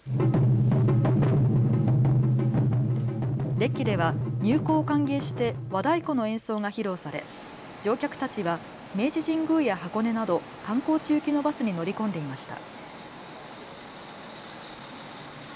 デッキでは入港を歓迎して和太鼓の演奏が披露され乗客たちは明治神宮や箱根など観光地行きのバスに乗り込んでいました。